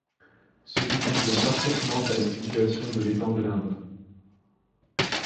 Ce qui convient parfaitement à la situation de l'étang de Lindre.